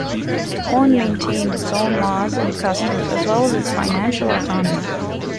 Horne maintained its own laws and customs as well as its financial autonomy.